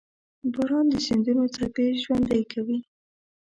• باران د سیندونو څپې ژوندۍ کوي.